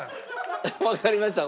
わかりました。